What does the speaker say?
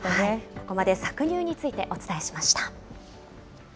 ここまで、搾乳についてお伝えしました。